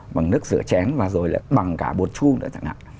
bằng nước sửa chén và rồi lại bằng cả bột chung